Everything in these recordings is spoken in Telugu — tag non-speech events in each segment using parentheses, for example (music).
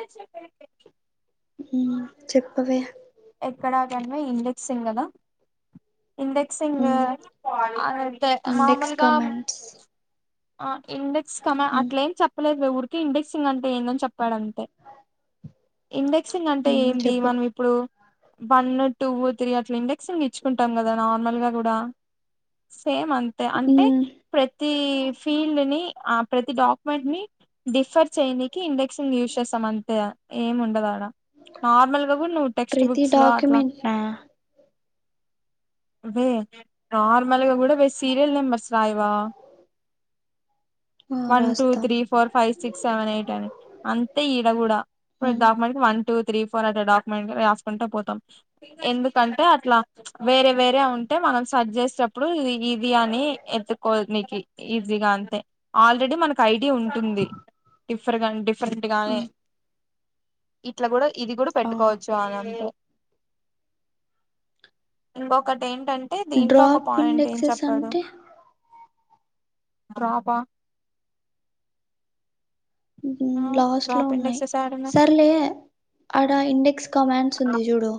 ఎంత సేపు అయింది అండి ఉ చెప్పవే ఎక్కడా కని మే ఇండెక్స్ంగ్ న ఇండెక్స్ సింగ్ ఉమ్ అంతా ఇండెక్స్ మామూలుగా కమెంట్స్ ఆ ఇండెక్స్ కమ ఉమ్ అట్ల ఏం చెప్పలేదు వే ఊరికె ఇండెక్సింగ్ అంటే ఏందని చెప్పాడు అంతే ఇండెక్సింగ్ అంటే ఉమ్ ఏం చెప్పు ఇప్పుడు వన్ టూ త్రీ అట్లా ఇండెక్స్ ఇచ్చుకుంటాం కదా నార్మల్ గా కూడా సేమ్ అంతే అంటే ఉమ్ ప్రతి ఫీల్డ్ ని ఆ ప్రతి డాక్యుమెంట్ ని డిఫర్ చేనికి ఇండెక్స్ంగ్ యూజ్ చేస్తాం అంతే ఏమి ఉండదు ఆడ నార్మల్ గా కూడా నువ్వు టెక్స్ట్ ప్రతి బుక్స్ లో అట్లా డాక్యుమెంట్నా వే నార్మల్గా కూడా వే సీరియల్ నెంబర్స్ రాయవా ఆ వన్ టూ రాస్తాం three four five six seven eight అని అంతే ఈడ కూడా ఇప్పుడు ఉమ్ document one two three four అట్లా డాక్యుమెంట్ రాసుకుంట పోతాం ఎందుకంటే అట్లా వేరే వేరే ఉంటే మనం సజ్ చేసి చె ఇప్పుడు ఇది ఇది అని ఎత్తుకోనేకి ఈజీగా అంతే ఆల్రెడీ మనకు ఐడి ఉంటుంది డిఫరె డిఫరెంట్ గానే ఉమ్ ఇట్లా కూడా ఇది కూడా ఆ పెట్టుకోవచ్చు అని అంతే ఇంకొకటి ఏంటంటే అంటే దీంట్లో ఒక డ్రాప్ పాయింట్ ఏం ఇండెక్సెస్ చెప్పాడు అంటే బపా ఆ! ఉమ్ లాస్ట్ లో డ్రాప్ ఉన్నాయి ఇండెక్సెస్ యాడున్నాయి సర్లే అడ ఇండెక్స్ కమాంట్స్ ఉంది జూడు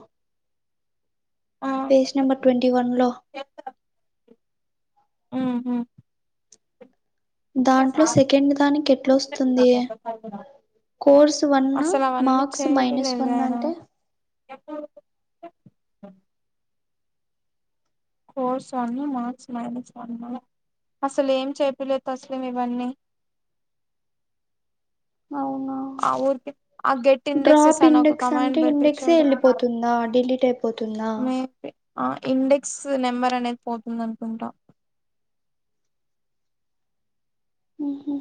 ఆ పేజ్ నంబర్ ట్వంటీ వన్ లో ఆహా దాంట్లో సెకండ్ దానికి ఎట్లా వస్తుంది కోర్స్ వన్ అసలు అవన్నీ మార్క్స్ మైనస్ వన్ అంటే ఎక్కడికి course one marks minus one అసలు ఏం చేపిలేదు తసడెం ఇవన్నీ అవునా ఆ ఊరికే ఆ గెట్ ఇండెక్సెస్ డ్రాప్ అని ఒక ఇండెక్స్ కమాండ్ అంటే ఇండెక్సే పెట్టించాడు వెళ్ళిపోతుందా డిలీట్ అయిపోతుందా మే ఆ ఇండెక్స్ నెంబర్ అనేది పోతుంది అనుకుంటా ఉహ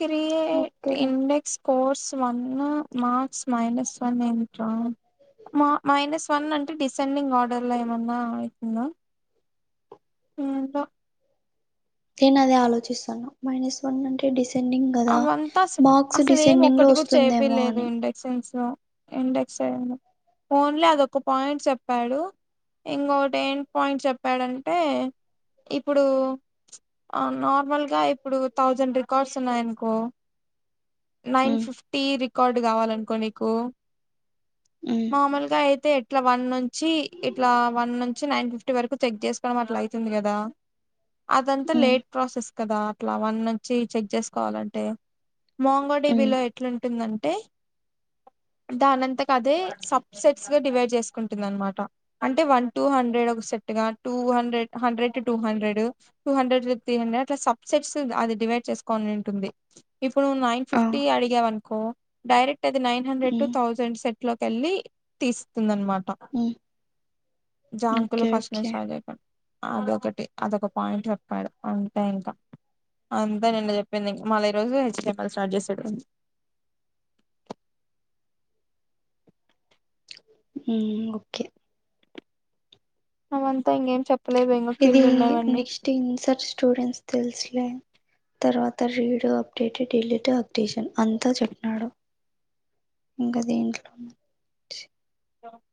క్రియేట్ ఓకేలే index course one marks minus (unintelligible) మా మైనస్ వన్ అంటే డిసెండింగ్ ఆర్డర్లో ఏమన్నా అయితుందా ఏందో నేను అదే ఆలోచిస్తాను మైనస్ వన్ అంటే డిసె డింగ్ కదా అవంతా అస మార్క్స్ డిసెండింగ్ లో వస్తుందేమో అని సెన్సో ఇండెక్స్ ఏమో ఫోన్ లే ఒక పాయింట్ చెప్తాడు ఇంకొటి ఏం పాయింట్ చెప్పాడంటే ఇప్పుడు ఆ నార్మల్ గా ఇప్పుడు థౌజండ్ రికార్డ్స్ ఉన్నాయి అన్ కో నైన్ ఉమ్ ఫిఫ్టీ రికార్డ్ కావాలనుకో నీకు మ్మ్ మాములుగా అయితే ఇట్లా వన్ నుంచి ఇట్లా వన్ నుంచి నైన్ ఫిఫ్టీ వరకు చెక్ చేసు కోవడం అట్ల అయితుంది కదా అదంతా ఉమ్ లేట్ ప్రాసెస్ కదా అట్లా వన్ నుంచి చెక్ చేసుకోవాలన్ టే ఉమ్ మోంగోడిబిలో ఎట్లుంటుందంటే దానింతక అదే సబ్ సెట్స్ గా డివైడ్ చేసుకుంటుంది అనమాట అంటే వన్ టూ హండ్రెడ్ ఒక సెట్ గా two hundred hundred to two hundred two hundred three hundred అట్ల సబ్ సెట్స్ అది డివైడ్ చేసుకొని ఉన్నింటుంది ఇప్పుడు ను నైన్ ఆ ఫిఫ్టీ అడిగావ్ అనుకో డైరెక్ట్ అది నైన్ హండ్రెడ్ టు ఉమ్ తౌసండ్ సెట్ ట్లోకి వెళ్ళి తీస్తుంది అనమాట ఉమ్ జాంకులు ఓకే ఫస్ట్ ఓకే నుంచి స్టార్ట్ చెయ్యకుండా అదొకటి అదొక పాయింట్ చెప్పాడు అంతే ఇంకా అంతే నిన్న చెప్పింది ఇ మళ్ళీ ఈ రోజు హెచ్ టి ప్పాల స్టార్ చేసాడు మ్మ్ ఓకే అవంతా ఇంగేం చెప్పలేదు ఇం కింద ఉన్నవన్నీ టె ఇన్సర్చ్ స్టూడెంట్స్ తెలుసులే తర్వాత రీడు అప్డేట్ డిలీట్ అప్టీషన్ అంతా చెప్పినాడు ఇంకా దీంట్లో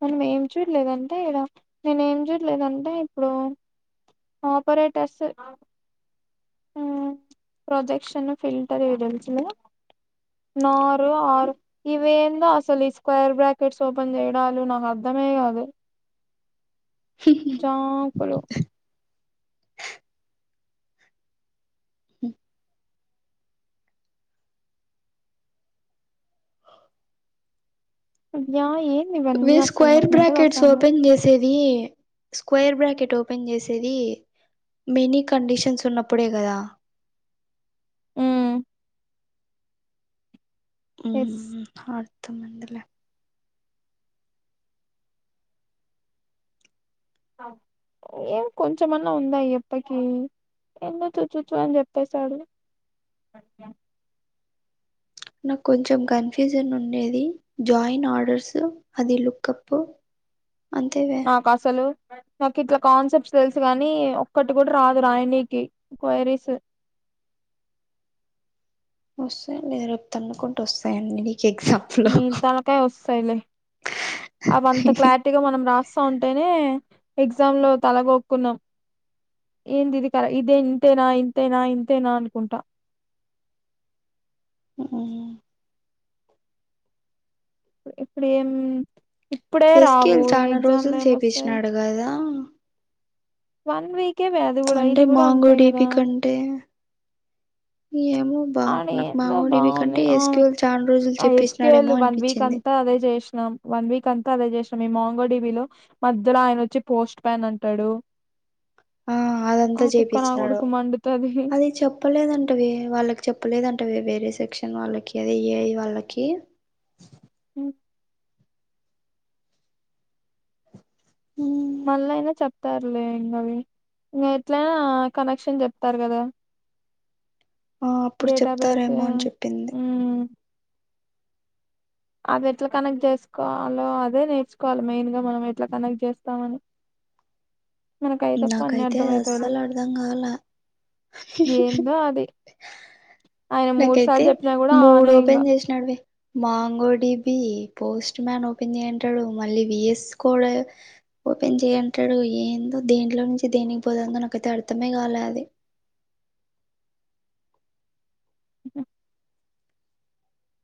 మనం ఏం చూడలేదంటే ఇడ నేను ఏం చూడలేదంటే ఇప్పుడు ఆపరేటర్స్ మ్మ్ ప్రొజెక్షను ఫిల్టరు ఇవి తెలుసు లే నోరు ఆరు ఇవి ఏందో అసలు ఈ స్క్వైర్ బ్రాకెట్స్ ఓపెన్ చేయడాలు నాకు అర్ధమే కాదు జాంకులు మ్మ్ సంధ్య ఏ వే స్క్వైర్ బ్రాకెట్స్ ఓపెన్ చేస్ సేది స్క్వేర్ బ్రాకెట్ ఓపెన్ చేసేది మెనీ కండిషన్స్ ఉన్నప్పుడే కదా ఎస్ అర్తు మంటల ఏం కొంచమన్నా ఉందా ఈయప్పకి ఏందో చు చు చ్చు అని చెప్పేశాడు నాకు కొంచెం కన్ఫ్యూజన్ ఉండేది జాయిన్ ఆర్డర్స్ అది లుక్ అప్ అంతే నాకు అసలు నాకు ఇట్లా కాన్సెప్ట్స్ తెలుసు కాని ఒక్కటి కూడా రాదు రాయనీకి క్వైరీస్ వస్తాయండి రేపు తన్నుకుంటూ వస్తాయి అన్ని మీ తలకాయ వస్తాయిలే అవంత క్లా టీగా మనం రాస్తా ఉంటేనే ఎగ్జామ్ లో తలగొక్కున్నాం ఏంది ఇది కర ఇదే ఇంతేనా ఇంతేనా ఇంతేనా అనుకుంటా మ్మ్ ఇప్పుడు ఏం ఇప్పుడే రావు ఈ ఎగ్జామ్ లో ఏం వస్తాయి గదా వన్ వీక్ ఏ వే అ అంటే మాంగోడిబి కంటే, ఏమో బా నాకు అడెందో మాంగో డిబి బాగుంది కంటే ఆ ఎస్క్యూఎల్ చాలా రోజులు అదే చేపించినాడేమో స్కేలు వన్ వీక్ అనిపించింది అంతా అదే చేస్ నామ్ వన్ వీక్ అంతా అదే చేసినాం ఈ మాంగోడిబిలో మధ్యలో ఆయనొచ్చి పోస్ట్ ప్యాన్ అంటాడు ఆ ఆ అదంతా తిక్క నా కొడుకు మండుతాది చెప్పలేదంట వే వాళ్ళకి చెప్పలేదంట వే వేరే సెక్షన్ వాళ్ళకి అదే ఎఐ వాళ్ళకి మ్ మ్మ్ మళ్ళ అయినా చెప్తారులే ఇంగ అవి ఇంగ ఎట్లయినా కనెక్షన్ చెప్తారు కదా! ఆ అప్పుడు డేటాబేస్ చెప్తారేమో అని చెప్పింది మ్మ్ అది ఎట్ల కనెక్ట్ చేసుకోవాలో అదే నేర్చుకోవాలి మెయిన్ గా మనం ఎట్ల కనెక్ట్ చేస్తామని మనకైతే పన్ని నాకైతే అర్థం అయితయిలే అస్సలు అర్థం కాల ఏందో అది ఆయన మూడు సార్లు చెప్పినా కూడ ఆనే ఇంగ నడువే మాంగోడిబి పోస్ట్ మ్యాన్ ఓపెన్ చెయ్యి అంటాడు మళ్ళీ విఎస్ కోడ్ ఓపెన్ చెయి అంటాడు ఏందో దేంట్లో నుంచి దేనికి పోతుందో నాకైతే అర్థమే కాలే అది.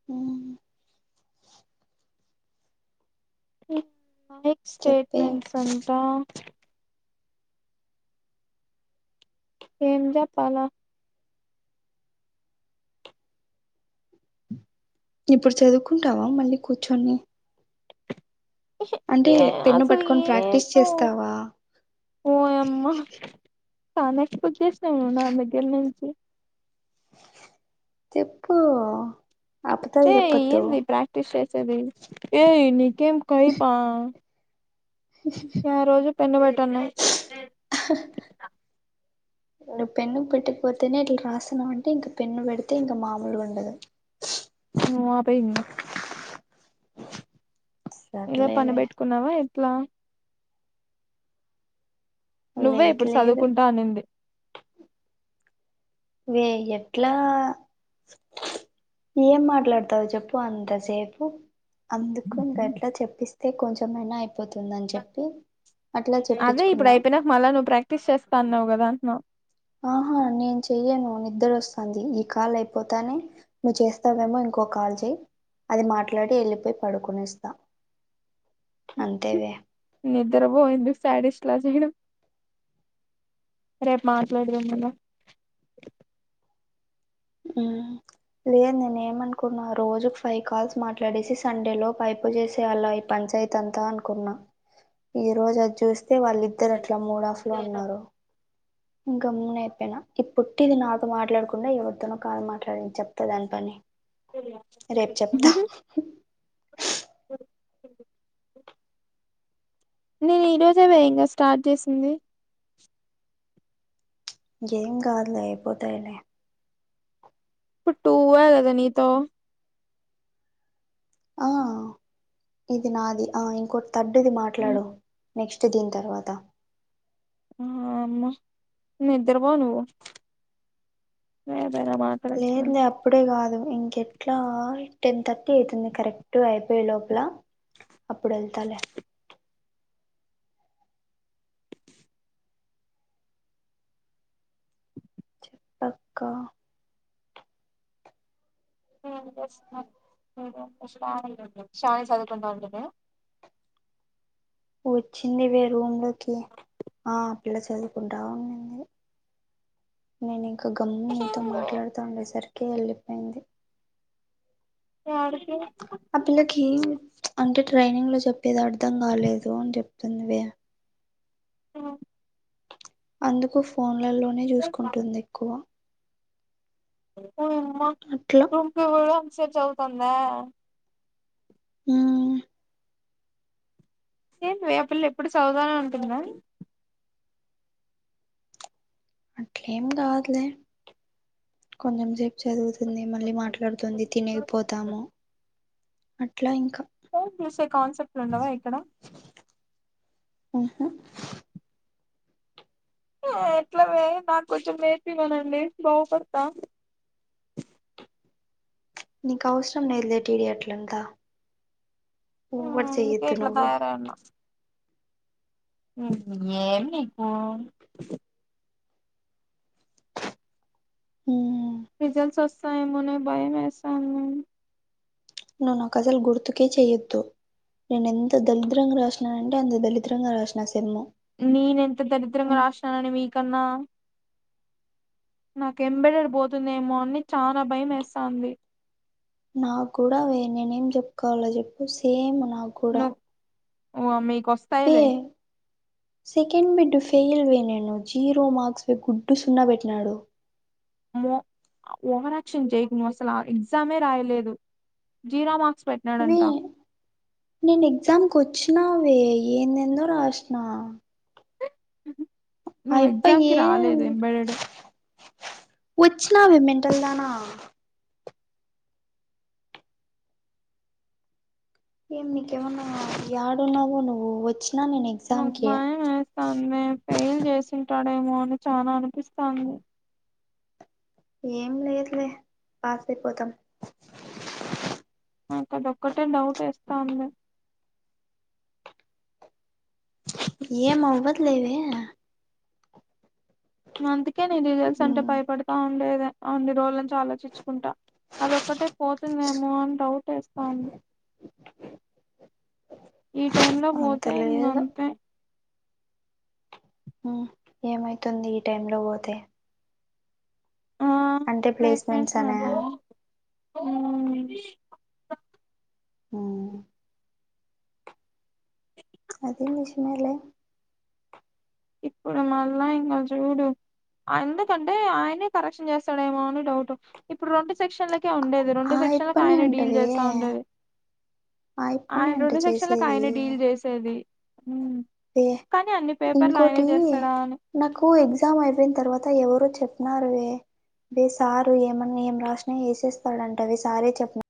మ్ మ్ మైక్ చెప్పే స్టేట్మెంట్స్ అంటా ఏం చెప్పాల ఇప్పుడు చదువుకుంటావా మళ్ళీ కూర్చొని అంటే ఏ పెన్ను అసలు పట్టుకొని ప్రాక్టీస్ ఏందో చేస్తావా ఓయమ్మా చానా ఎక్స్పెక్ట్ చేసినావు నువ్వు నా దగ్గర నుంచి చెప్పు అపద్ధాలు చెప్పొద్దు టీ షర్ట్స్ అవి ఏయ్ నికేమ్ కైపా? ఉహ్ ఇగ రోజు పెన్ను పెట్టన్నా అహ్ హ నువ్వు పెన్ను పెట్టకపోతేనే ఇట్ల రాస్తున్నావ్ అంటే ఇంక పెన్ను పెడితే ఇంక మామూలుగా ఉండదు. నువ్వు ఆపేయ్ ఇంగ ఇంగ పని సర్లేవే పెట్టుకున్నావ ఎట్లా? నువ్వే లేదు ఇప్పుడు లేదు చదువుకుంటా అనింది. వే ఎట్లా ఏం మాట్లాడతావ్ చెప్పు అంతసేపు అందుకు ఇంగ అట్ల చెప్పిస్తే కొంచమయినా అయిపోతుందని చెప్పి, అట్లా అదే ఇప్పుడు చెప్పించుకున్నా అయిపోయినాక మళ్ళా నువ్వు ప్రాక్టీస్ చేస్తా అన్నావు కదా అంటన్న ఆహా నేన్ చెయ్యను నిద్దరొస్తాంది ఈ కాల్ అయిపోతానే నువ్ చేస్తావేమో ఇంకో కాల్ చేయి అది మాట్లాడి వెళ్ళిపోయి పడుకొనేస్తా అంతేవే నిద్రపో ఎందుకు శాడిస్ట్ ల చేయడం రేపు మాట్లాడుదాం ఇంగ మ్ లేదు నేను ఏమనుకున్నా రోజుకి ఫైవ్ కాల్స్ మాట్లాడేసి సండే లోపు ఐపో చేసేయల్ల పంచాయతీ అంతా అనుకున్నా ఈ రోజు అచూస్. అయితే వాళ్ళిద్దరు అట్లా మూడ ఆఫ్ లో మళ్ళ ఉన్నారు. గమ్మున అయిపోయినా ఇ పొట్టిది నాతో మాట్లాడకుండా ఎవరితోనో కాదు మాట్లాడ చెప్తా దాని పని. రేప్ చెప్తా. నేను ఈ రోజే వేయంగా స్టార్ట్ చేసింది. ఏం కాద్లే అయిపోతాయిలే. ఇప్పుడ్ టూవ గాద నితో. ఆ ఇది నాది ఆ ఇంకోటి తర్డుది మాట్లాడు. నెక్స్ట్ దీన్ తర్వాత. అమ్మ నిద్రపో నువ్వు నిద్ర బ ను మా. లేదులే అప్ అప్పుడే కాదు ఇంకెట్లా టెన్ థర్టీ అవుతుంది కరెక్ట్ అయిపోయే లోపల. అప్పుడల్తలే. చెప్పక్క. రియంబస్మేంట్ ఏదో స్టాట్ అయితద్ షాన చదువుకుంటంటేనా కదా. వచ్చింది వే రూమ్ లోకి ఆ పిల్ల చదువుకుంటా ఉండింది. నేనింకా గమ్ము నీతో మాట్లాడుతా ఉండేసరికి వెళ్ళిపోయింది. యాడికి. ఆ పిల్లకి అంటే ట్రైనింగ్ లో చెప్పేది అర్ధం కాలేదు అని చెప్తుందివి. ఉ. అందుకు ఫోన్లలోనే చూసుకుంటుంది ఎక్కువ. అట్లా ఓయమ్మ వెళ అస చవుతుందా. ఉ. ఏంది వే ఆ పిల్లేప్పుడు చదువుతానే ఉంటుందా. అట్లేం కాదులే కొంచెం సపు. చదువుతుంది మళ్ళీ మాట్లాడుతుంది తినేకిపోతాము అట్లా ఇంకా. ఫెస్ చూసే కాన్సెప్ట్లు ఉండవా ఇక్కడ. ఆహా. ఎట్లవే నాకు కొంచెం నేర్చవనండి బాగుపస్తా. నీకు అవసరం నేదే టిడి అట్లంతా. ఆ ఓవర్ అందుకే చెయ్యొద్దు ఇట్ల నువ్వు తయారై ఉన్న. ఏం నీకు. ఉ. రిజల్ట్స్ వస్తాయెమోనే భయం వేస్తాంది. నువ్వు నాకు అసలు గుర్తుకే చెయ్యొద్దు. నేను ఎంత దరిద్రంగా రాసినను అంటే అంత దరిద్రంగా రాసిన సెమ్ము. నేనేంత దరిద్రంగా రాసిననేన్ మీకన్నా. నాకు ఎంబడర్ పోతుందేమో అని చానా భయం వేస్తవుంది. నా కూడా నేనేం చెప్పుకోవాల చెప్పు సేమ్ నాకు. ను ఓ మీకోస్. ఏ. సెకండ్ బిడ్డు ఫెయిల్ వే నిను జీరో మార్క్స్ గుడ్డు సున్నా పెట్టినాడు. మొ ఓవారాక్షన్ చేయకు అసలు ఆ ఎగ్జామే రాయలేదు జీరో మా. వీ. నేనేగ్జామ్క్ వచ్చినావే ఏందేందో రాసిన. నువ్వు ఆయప్ప ఎగ్జామ్ కి రాలేదు ఏంద్ ఎంబెడెడ్ వచ్చినామె మెంటల్ దానా ఏం నీకేమన్నా యాడున్నావో నువ్వు వచ్చినా ననేద్ నాకు భయం వేస్తాందే ఫెయిల్ చేసింటాడేమో అని చాల అనిపిస్తాంది ఏం లేదులే పాస్ అయిపోతం నాకు అదొక్కటే డౌటేస్తాంది ఏం అవ్వద్ లేవే ఇంగ అందుకే నేను రిజల్ట్స్ అంటే భయపడతా ఉండేదే అన్నిరోజుల నుంచి ఆలోచిచ్చుకుంటా అదొక్కటే పోతుందేమో అని డౌట్ వేస్తా ఉంది ఈ టైమ్ లో అంత పోతే ఇంగ లేదు అంతే ఊ ఏమైతుంది ఈ టైమ్ లో పోతే ఆ అంటే ప్లేస్మెంట్స్ ఇంగ అనా దాంట్లోనే ఊ మ్మ్ అది నిజమేలే ఇప్పుడు మళ్ళా ఇంగ చూడు ఎందుకంటే ఆయనే కరెక్షన్ చేస్తాడేమో అని డౌటు ఇప్పుడు రెండు సెక్షన్లకే ఉండేది ఇది రొండు ఆ సెక్షన్లకు యప్పనే ఆయనే డీల్ అంటవే చేస్తా ఉండేది ఆ యప్పనే ఆయన అంట రెండు సెక్షన్లకు చేసేది ఆయన డీల్ చేస్ సేది ఊ కానీ అన్ని పేప్ ఓటీ నాకూ ఎగ్జామ్ అయిపోయిన తర్వాత ఎవరో చెప్నారువే వే సారు ఏమన్న ఏం రాసినా వేసేస్తాడంట వే సారే చెప్నా